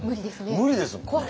無理ですね。